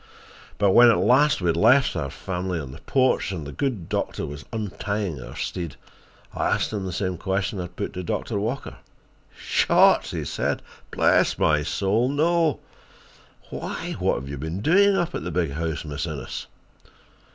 But when at last we had left the family on the porch and the good doctor was untying our steed, I asked him the same question I had put to Doctor Walker. "Shot!" he said. "Bless my soul, no. Why, what have you been doing up at the big house, Miss Innes?"